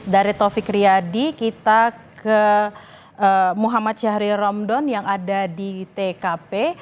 dari taufik riyadi kita ke muhammad syahril romdon yang ada di tkp